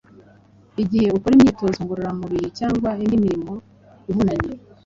igihe akora imyitozo ngororamubiri cyangwa indi mirimo ivunanye.